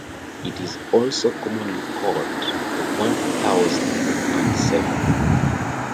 It is also commonly called the "one thousand and seven".